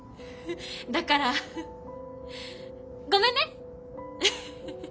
だからごめんね！